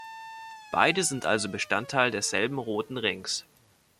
Beide sind also Bestandteil desselben roten Rings.